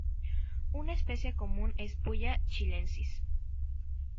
Una especie común es "Puya chilensis".